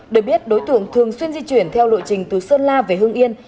được biết đối tượng thường xuyên di chuyển theo lộ trình từ sơn la về hương yên